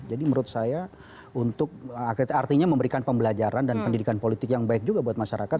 jadi menurut saya untuk artinya memberikan pembelajaran dan pendidikan politik yang baik juga buat masyarakat